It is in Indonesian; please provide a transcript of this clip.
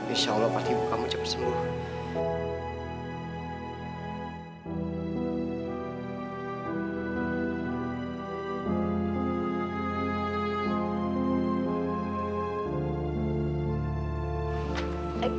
insya allah pasti ibu kamu cepat sembuh